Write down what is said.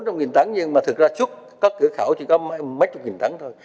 nói bốn trăm linh tấn nhưng mà thực ra xuất khẩu chỉ có mấy chục nghìn tấn thôi